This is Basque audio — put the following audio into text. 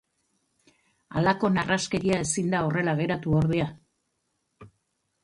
Halako narraskeria ezin da horrela geratu ordea.